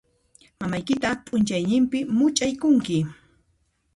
Mamaykita p'unchaynimpi much'aykunki.